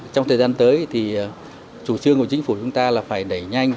trong thời gian tới thì chủ trương của chính phủ chúng ta là phải đẩy nhanh